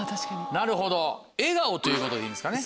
なるほど笑顔ということでいいですかね？